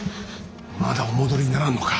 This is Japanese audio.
まだお戻りにならんのか。